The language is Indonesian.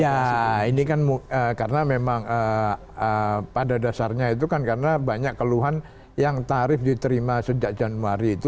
ya ini kan karena memang pada dasarnya itu kan karena banyak keluhan yang tarif diterima sejak januari itu